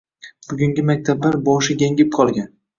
Bugungi maktablar boshi gangib qolgan.